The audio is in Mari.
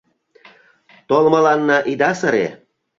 Толмыланна ида сыре